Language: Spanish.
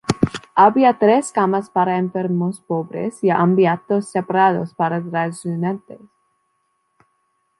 Había tres camas para enfermos pobres y ámbitos separados para transeúntes.